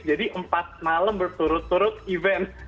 jadi empat malam berturut turut event